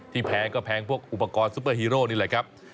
แพงก็แพงพวกอุปกรณ์ซุปเปอร์ฮีโร่นี่แหละครับ